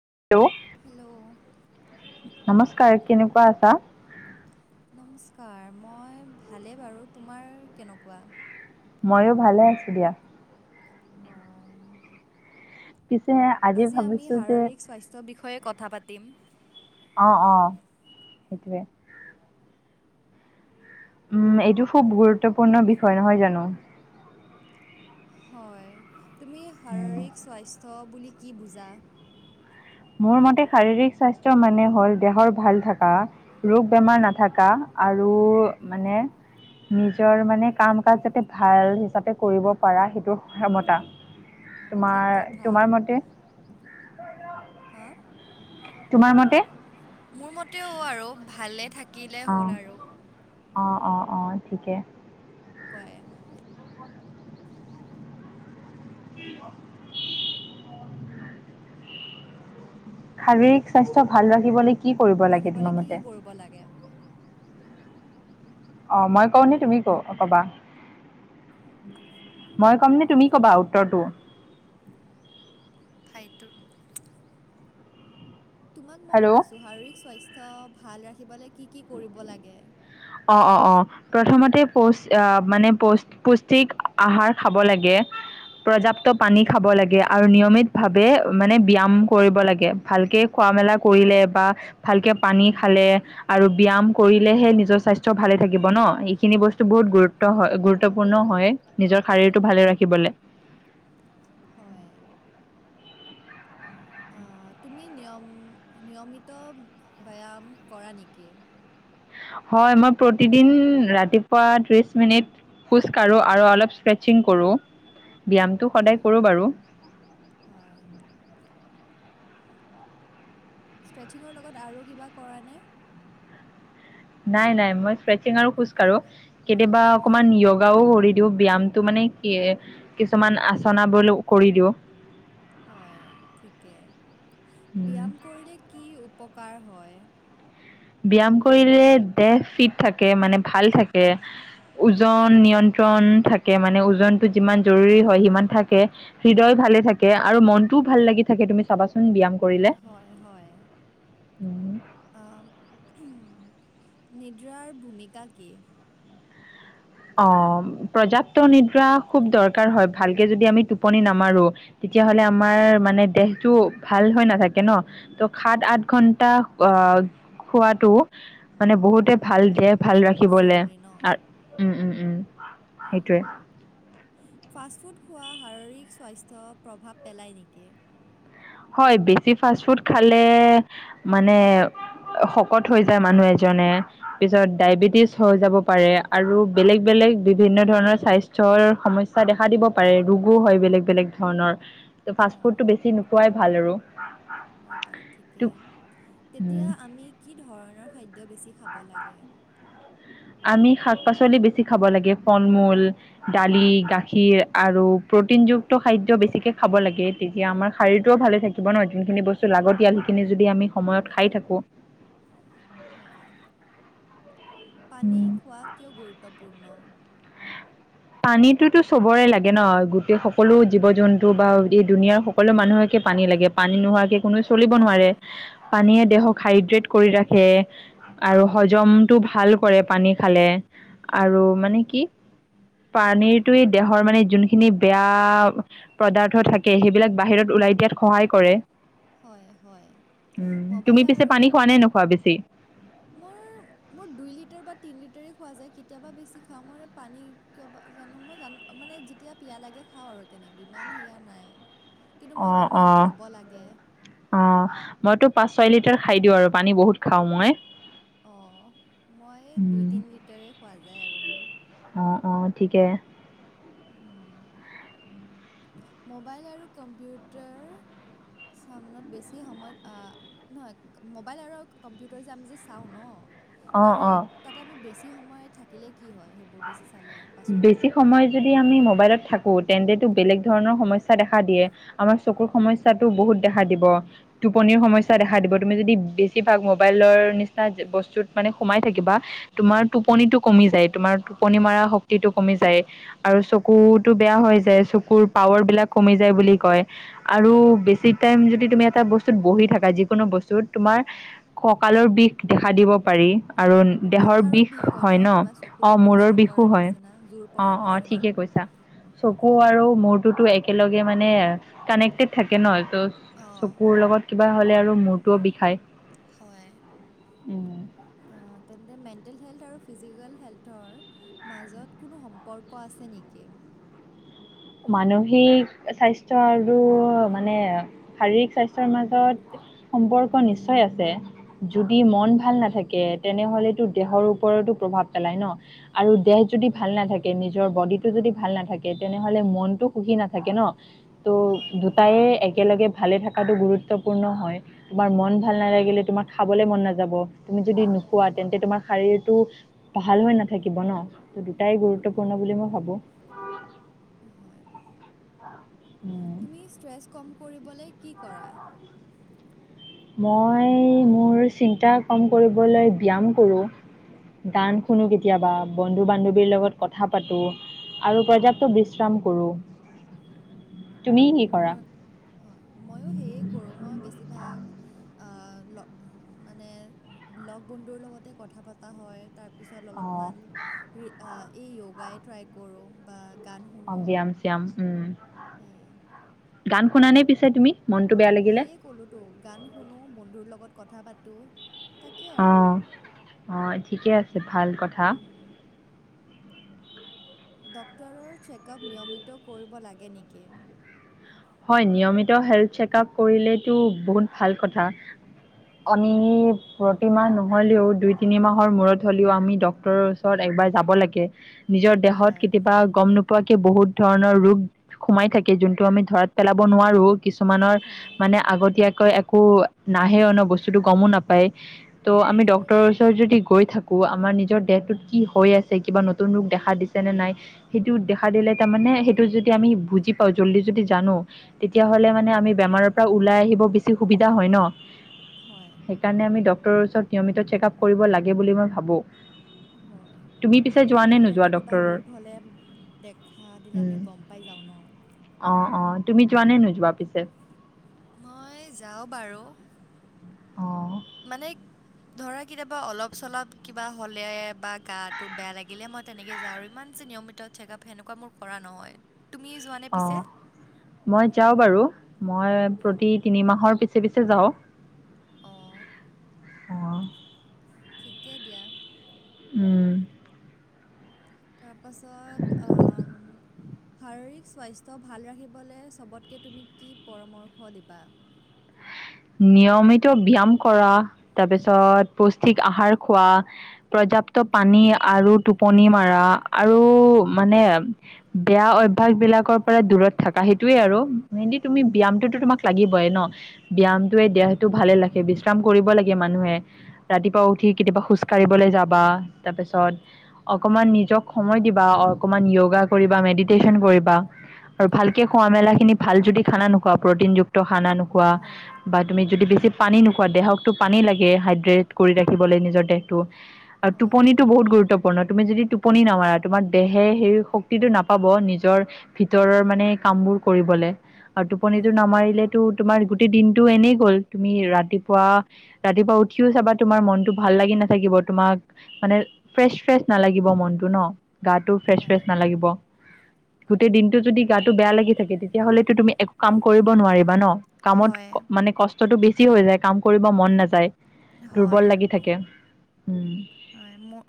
[unintelligible] Hello. নমস্কাৰ কেনেকুৱা আছা? নমস্কাৰ মই ভালে বাৰু তোমাৰ কেনেকুৱা? ময়ো ভালে আছোঁ দিয়া। অঁ পিছে আজি আমি ভাবিছো যে শাৰীৰিক স্বাস্থ্যৰ বিষয়ে কথা পাতিম। অঁ অঁ সেইটোৱেই। উম এইটো খুব গুৰুত্বপূৰ্ণ বিষয়, নহয় জানো? হয়। তুমি উম শাৰীৰিক স্বাস্থ্য বুলি কি বুজা? মোৰ মতে শাৰীৰিক স্বাস্থ্য মানে হল - দেহৰ ভাল থকা, ৰোগ বেমাৰ নাথকা। আৰু মানে, নিজৰ মানে কাম কাজ যাতে ভাল হিচাপে কৰিব পাৰা, সেইটো ক্ষমতা। অঁ ঠিক তোমাৰ কথা তোমাৰ মতে? হা? তোমাৰ মতে? মোৰ মতেওঁ আৰু ভালে থাকিলে হ'ল আৰু। অঁ অঁ ঠিকে। কাই [unintelligible] উ [unintelligible] শাৰীৰিক স্বাস্থ্য ভাল ৰাখিবলৈ কি কৰিব লাগে ৰাখিবলৈ তোমাৰ কি কি মতে? কৰিব লাগে অঁ মই কওঁ নি, তুমি ক কবা? মই কমনে, তুমি কবা উত্তৰটো? ফাইটুৰ [unintelligible] তোমাক মই হেল্ল' সুধিছোঁ শাৰীৰিক স্বাস্থ্য ভাল ৰাখিবলৈ কি কি কৰিব লাগে? অঁ অঁ অঁ প্ৰথমতে পৌ মানে পৌ পুষ্টিক আহাৰ খাব লাগে। পৰ্যাপ্ত পানী খাব লাগে আৰু নিয়মিত ভাৱে মানে ব্যাম কৰিব। লাগে ভালকে খোৱা মেলা কৰিলে বা ভালকে পানী খালে, আৰু ব্যায়াম কৰিলেহে নিজৰ স্বাস্থ্য ভালে থাকিব ন। এইখিনি বস্তু বহুত গুৰুত্ব হয় গুৰুত্বপূৰ্ণ। হয় নিজৰ শাৰীৰটো ভালে ৰাখিবলে। হয়। আহ, তুমি নিয়ম নিয়মিত ব্যাম কৰা নেকি? হয় মই প্ৰতিদিন ৰাতিপুৱা ত্ৰিশ মিনিট খোজ কাঢ়ো আৰু অলপ স্ক্ৰেচিং কৰোঁ। ব্যামটো সদায় হয় কৰোঁ বাৰু। হয় ষ্ট্ৰেছিঙৰ লগত আৰু কিবা কৰা নে? নাই নাই মই ষ্ট্ৰেচিং আৰু খোজ কাঢ়ো। কেতিয়াবা অঁ অকমান য়োগাও কৰো। দিওঁ ব্যামটো মানে কি কিছুমান আচনবোৰ কৰি দিওঁ। হয় ঠিকে। উম, ব্যাম কৰিলে কি উপকাৰ, হয়। ব্যাম কৰিলে দেহ ফিট থাকে মানে ভাল থাকে, ওজন নিয়ন্ত্ৰণ থাকে মানে ওজনটো যিমান জৰুৰী হয় সিমান থাকে হৃদয় ভাল, থাকে আৰু মনটো ভাল লাগি থাকে, তুমি চাবাচোন ব্যায়াম কৰিলে হয় হয়। উম। নিদ্ৰাৰ ভূমিকা কি? অ পৰ্যাপ্ত নিদ্ৰা খুব দৰকাৰ হয়, ভালকে যদি আমি টোপনি নামাৰো। তেতিয়াহলে আমাৰ মানে দেহটো ভাল হৈ নাথাকে ন, ত সাত আঠ ঘন্টা অ, খোৱাটো মানে বহুতে ভাল দিয়ে ভাল ৰাখিব নোৱাৰে। উম উম উম। ফাষ্ট ফুড, খোৱা শাৰীৰিক স্বাস্থ্য প্ৰভাৱ পেলায় নেকি? হয়, বেছি ফাষ্ট ফুড খালে মানে, শকত হৈ যায় মানুহ এজনে, পিছত ডায়েবেটিছ হৈ যাব পাৰে, আৰু বেলেগ বেলেগ, বিভিন্ন ধৰণৰ স্বাস্থ্যৰ সমস্যা দেখা দিব পাৰে, ৰোগো হয় বেলেগ বেলেগ ধৰণৰ। ফাষ্ট অঁ ফুডটো বেছি নোখোৱাই ভাল আৰু। হয় বাৰু ত' ঠিকেই। উম, তেতিয়া আমি কি ধৰণৰ খাদ্য বেছি খাব লাগে? আমি শাক-পাচলি বেছি খাব লাগে, ফল-মূল, দালি, গাখীৰ আৰু প্ৰটিনযুক্ত খাদ্য বেছিকে খাব লাগে, তেতিয়া আমাৰ শৰীৰটোও ভালে থাকিব নহ, যোনখিনি বস্তু লাগতিয়াল যদি আমি সময়ত হয় খাই থাকো। হয় পানী খোৱা কিয় গুৰুত্বপূৰ্ণ? [inaudible] পানীতোতো চবৰে লাগে ন, গোটেই সকলো জীৱ-জন্তু বা এই দুুনীয়াৰ সকলো মানুহকে পানী পানী লাগে, পানী নোহোৱাকে কোনো চলিব নোৱাৰে, পানীয়ে দেহক হাইড্ৰেট কৰি ৰাখে। আৰু হজমটো ভাল কৰে পানী খালে, আৰু মানে কি? পানীতয়ে দেহৰ মানে যোনখিনি বেয়া পদাৰ্থ থাকে, সেইবিলাক বাহিৰত ওলাই দিয়াত সহায় কৰে, হয় হয় উম, মোবাইল তুমি পিছে আৰু পানী খোৱা কম্পিউ নে নোখোৱা বেছি? মোৰ, মোৰ দুই লিটাৰ বা তিনি লিটাৰেই খোৱা যায়, কেতিয়াবা বেছি খাওঁ মই পানী, কিয় জানো, মই জানো, মানে যেতিয়া পিয়াহ লাগে খাওঁ আৰু তেনেকে, ইমান সেয়া নাই কিন্তু মই জনাত অ-অ, খাব লাগে অ'হ মইতো পাঁচ ছয় লিটাৰ খাই দিওঁ, আৰু পানী বহুত খাওঁ মই। অ, মই এই দুই, উম তিনি লিটাৰেই খোৱা যায় আৰু মোৰ। অ অ ঠিকে। মোবাইল আৰু কম্পিউটাৰ। চামনত, বেছি সময়ত নহয় মোবাইল আৰু কম্পিউটাৰ যে, আমি যে চাওঁ ন অঁ তাৰে, অঁ তাতে আমি বেছি সময় থাকিলে কি হয় সেইবোৰ বেছি চালে বা বেছি চলালে সময় যদি আমি মোবাইলত থাকো তেন্তে, বেলেগ ধৰণৰ সমস্যা দেখা দিয়ে, আমাৰ চকুৰ সমস্যাতো বহুত দেখা দিব। টোপনিৰ সমস্যা দেখা দিব, তুমি যদি বেছিভাগ মোবাইলৰ নিচিনা বস্তুত মানে সোমাই থাকিবা তোমাৰ টোপনিটো কমি যায়। তোমাৰ টোপনি মৰা শক্তিটো কমি যায়, আৰু চকুতো বেয়া হৈ যায়, চকুৰ পাৱাৰ বিলাক কমি যায়। বুলি কয়, আৰু বেছি টাইম যদি তুমি এটা বস্তুত বহি থাকা যিকোনো বস্তুত, তোমাৰ ককালৰ বিষ দেখা দিব পাৰি, আৰু দেহৰ মাথাৰো বিষ হয় ন? কিবা অ চকুটোত মূৰৰ প্ৰেছাৰ বিষো পৰাৰ হয়, নিচিনা জোৰ পৰাৰ অ-অ, নিচিনা ঠিকে কৈছা, চকু আৰু উম। মূৰতো এক এবিলাকে মানে কানেক্টেত থাকে ন, ত অঁ চকুৰ লগত কিবা হ'লে আৰু মূৰটোও বিষায়। হয়, উম অ, তেন্তে মেনটেল হেল্থ আৰু ফিজিকেল হেল্থৰ মাজত কোনো সম্পৰ্ক আছে নেকি? মানসিক স্বাস্থ্য আৰু মানে শাৰীৰিক স্বাস্থ্যৰ মাজত সম্পৰ্ক নিশ্চয় আছে। যদি মন ভাল নাথাকে, তেনেহলে তো দেহৰ ওপৰতো প্ৰভাৱ পেলায় ন আৰু দেহ- যদি ভাল নাথাকে, নিজৰ বডিটো যদি ভাল নাথাকে, তেনে তেনেহলে মনতো সুখী নাথাকে ন, ত হয় দুটায়ে একেলগে ভালে থকাটো গুৰুত্বপূৰ্ণ হয়, তোমাৰ মন ভাল নালাগিলে তোমাক খাবলৈ মন নাযাব। তুমি যদি হয় নোখোৱা, তেন্তে তোমাৰ শাৰীৰিক ভাল হৈ নাথাকিব ন, ত দুটাই হয় গুৰুত্বপূৰ্ণ বুলি মই ভাবো। হয় উম তুমি ষ্ট্ৰেছ কম কৰিবলৈ কি কৰা? মই, মোৰ চিন্তা কম কৰিবলৈ ব্যায়াম কৰোঁ। গান শুনো কেতিয়াবা, বন্ধু-বান্ধৱীৰ লগত কথা পাতো। আৰু পৰ্যাপ্ত বিশ্ৰাম কৰো, তুমি কি কৰা? মইয়ো সেয়ে কৰোঁ, মই বেছিভাগ মানে লগ বন্ধুৰ লগতে কথা পাতা হয়। তাৰপিছত অঁ অলপমান, ই যগায়ে ট্ৰাই কৰো বা গা অ, ব্যায়াম-চ্যায়াম, উম, সেয়ে গান শুনানে পিছে তুমি? মনটো বেয়া লাগিলে সেইয়ে ক'লো তো, গান শুনো, বন্ধুৰ লগত কথা পাতো। তাকে আৰু অঁ অঁ ঠিকে আছে ভাল কথা ডক্তৰৰ চেকআপ নিয়মিত কৰিব লাগে নেকি হয় নিয়মিত হেল্থ চেক আপ কৰিলেতো বহুত ভাল কথা আমি প্ৰতিমাহ নহলেও দুই তিনি মাহৰ মূৰত হ'লেও আমি ডক্তৰৰ ওচৰত এক বাৰ যাব লাগে নিজৰ দেহত হয় কেতিয়াবা গম নোপোৱাকৈ বহুত ধৰণৰ ৰোগ সোমাই থাকে যোনটো আমি ধৰাত পেলাব নোৱাৰোঁ কিছুমানৰ হয় মানে আগতীয়াকৈ এক একো নাহে অ বস্তুটো গমো নাপায় ত' আমি হয় ডক্তৰৰ ওচৰত যদি গৈ থাকো আমাৰ নিজৰ দেহটোত কি হৈ আছে কিবা নতুন ৰোগ দেখা দিছে নে নাই সেইটো দেখা দিলে তাৰমানে সেইটো যদি আমি বুজি পাওঁ জল্দি যদি জানো তেতিয়াহলে মানে আমি বেমাৰৰ পৰা ওলাই আহিব বেছি সুবিধা হয় ন হয় সেইকাৰণে আমি ডক্তৰৰ ওচৰত নিয়মিত চেক আপ কৰিব লাগে বুলি মই ভাবো [inaudible] তেতিয়া নে নোযোৱা আগতীয়াকৈ কিবা ডক্তৰৰ ৰোগ হ'লে দেখা দিলে আমি গম পাই যাওঁ ন অ অ তুমি যোৱা নে নোযোৱা পিছে মই যাওঁ বাৰু অঁ মানে ধৰা কেতিয়াবা অলপ চলপ কিবা হলে বা গাটো বেয়া লাগিলে মই তেনেকে যাওঁ ইমান নিয়মিত চেকআপ সেনেকুৱা মোৰ কৰা নহয় তুমি যোৱানে অ পিছে মই যাওঁ বাৰু মই অঁ প্ৰতি তিনিমাহৰ পিছে পিছে যাওঁ অ অ ঠিকে দিয়া উম তাৰপাছত শাৰীৰিক স্বাস্থ্য ভাল ৰাখিবলৈ চবতকৈ তুমি কি পৰামৰ্শ দিবা [unintelligible] নিয়মিত ব্যয়াম কৰা তাৰপিছত পুষ্টিক আহাৰ খোৱা প্ৰজা পৰ্যাপ্ত পানী আৰু টোপনি মাৰা আৰু মানে বেয়া অভ্যাস বিলাকৰ পৰা দূৰত থাকা সেইটোয়ে আৰু মেইনলি তুমি ব্যায়ামটোতো তোমাক লাগিবই ন' ব্যায়ামটোৱে দেহটো ভালে ৰাখে বিশ্ৰাম কৰিব লাগে মানুহে ৰাতিপুৱা উঠি কেতিয়াবা খোজ কঢ়িবলৈ যাবা তাৰপিছত অকমান নিজক সময় দিবা অকমান য়গা কৰিবা মেডিটেশ্যন কৰিবা আৰু ভালকে খোৱা-মেলা খিনি ভাল যদি খানা নোখোৱা প্ৰটিনযুক্ত খানা নোখোৱা বা হয় তুমি যদি বেছি পানী নোখোৱা দেহকতো পানী লাগে হাইড্ৰেট কৰি ৰাখিবলৈ নিজৰ দেহটো আৰু হয় টোপনিটো বহুত গুৰুত্ব তুমি যদি টোপনি নামাৰা তোমাৰ দেহে সেই শক্তিটো নাপাব নিজৰ ভিতৰৰ মানে কাম বোৰ কৰিবলে আৰু টোপনিতো হয় নামাৰিলেটো তোমাৰ তে দিনটো এনেই গ'ল তুমি ৰাতিপুৱা- ৰাতিপুৱা উঠিও চাবা তোমাৰ মনটো ভাল লাগি নাথাকিব। তোমাক মানে ফ্ৰেচ- ফ্ৰেচ নালাগিব মনটো ন' গাটো ফ্ৰেচ- ফ্ৰেচ হয় নালাগিব। গোটেই দিনটো যদি গাটো বেয়া লাগি থাকে তেতিয়াহ'লেটো তুমি একো কাম কৰিব নোৱাৰিবা ন' কামত হয়, মানে কষ্টটো বেছি হৈ যায় কাম কৰিব মন নাযায় দুৰ্বল হয়, লাগি থাকে। উম হয়, মোক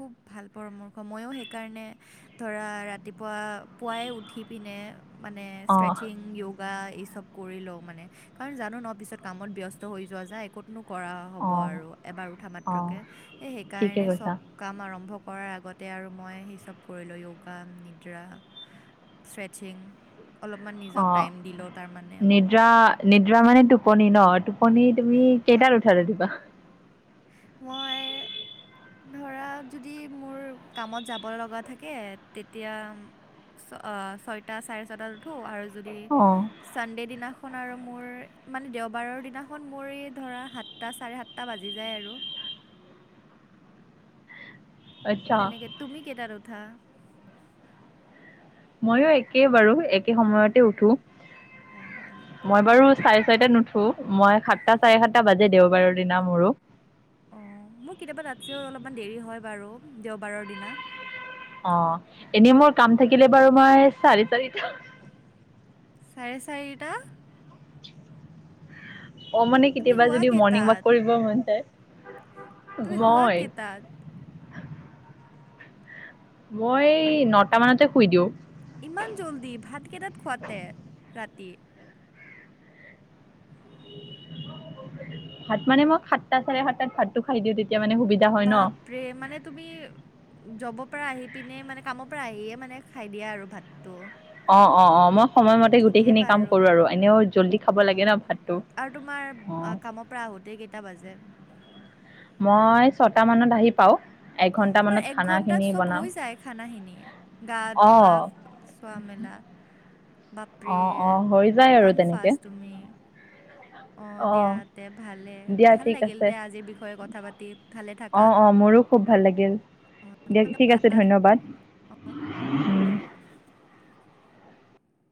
খুব ভাল পৰামৰ্শ মইয়ো সেইকাৰণে ধৰা ৰাতিপুৱা পুৱাই উঠি পিনে মানে অ ষ্ট্ৰেচিং য়গা এইচব কৰি লও মানে কাৰণ জানো ন' পিছত কামত ব্যস্ত হৈ যোৱা যায় কতনো কৰা অ হ'ব আৰু এবাৰ উঠা অ মাত্ৰকে এই ঠিকে সেইকাৰণে কৈছা চব কাম আৰু আৰম্ভ কৰাৰ আগতে আৰু মই সেই চব কৰিলো য়গা, নিদ্ৰা ষ্ট্ৰেছিং অলপমান অ নিজক টাইম দিলও তাৰমানে। নিদ্ৰা নিদ্ৰা মানে টোপনি ন টোপনি তুমি হয়, কেইটাত উঠা ৰাতিপুৱা? মই ধৰা যদি মোৰ কামত যাব লগা থাকে তেতিয়া ছয়টা চাৰে ছয়টাত উঠো আৰু যদি অ ছানডে দিনাখন আৰু মোৰ মানে দেওবাৰৰ দিনাখন মোৰ এই ধৰা সাতটা চাৰে সাতটা বাজি যায় আৰু। আচ্ছা তেনেকে তুমি কেইটাত উঠা? ময়ো একে বাৰু একে সময়তে উঠো। অঁ হয় নেকি মই বাৰু চাৰে চইতাত নুঠো। উঠো মই সাতটা চাৰে সাতটা বাজে দেওবাৰে দিনা মোৰো। অহ, মোৰ কেতিয়াবা তাতছেও অলপমান দেৰি হয় বাৰু দেওবাৰৰ দিনা। অহ, এনেই মোৰ কাম থাকিলে বাৰু মই চাৰি চাৰিটা চাৰে চাৰিটা অহ, মানে তুমি কেতিয়াবা শুৱা যদি মৰ্ণিং কেইটাত ৱাক কৰিব মন যায়। তুমি মই শুৱাকেতাত? মই নটা মানতে শুই দিওঁ। ইমান জল্দি ভাতকেইটাত খুৱাতে ৰাতি? ভাত মানে মই সাতটা চাৰে সাতটাত ভাতটো খাই দিওঁ তেতি বাপৰে মানে তুমি যবৰ পাৰা আহি পিনেই মানে কামৰ পৰা আহিয়ে মানে খাই দিয়া আৰু ভাতটো। অহ - অহ -অহ মই সময়মতে ঠিকে গোটেইখিনি কাম বাৰু। কৰো আৰু এনেও জল্দি খাব লাগে অ', ন' ভাতটো। আৰু তোমাৰ অ কামৰ পৰা আহোঁতেই কেইটা বাজে? মই ছটা মানত আহি পাওঁ। এঘন্টা তোমাৰ মানত এক খানাখিনি ঘন্টাত চব বনাওঁ হৈ যায় খানাখিনি গা অ ধোৱা চোৱা -মেলা অ বাপৰে অ হৈ যায় আৰু ইমান তেনেকে ফাষ্ট তুমি। [unintelligible] অহ, দিয়া তে ভালে দিয়া ভাল ঠিক লাগিল আছে তে আজিৰ বিষয়ে কথা পাতি ভালে অ থাকা। অ মোৰো খুব ভাল লাগিল দিয়ক ঠিক আছে ধন্যবাদ।